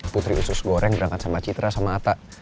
putri khusus goreng berangkat sama citra sama ata